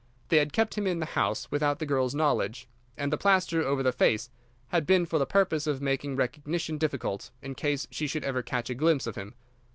They had kept him in the house without the girl's knowledge, and the plaster over the face had been for the purpose of making recognition difficult in case she should ever catch a glimpse of him.